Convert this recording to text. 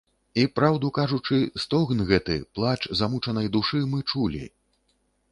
І, праўду кажучы, стогн гэты, плач замучанай душы мы чулі.